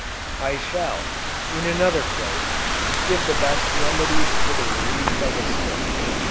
I shall, in another place, give the best remedies for the relief of a sting.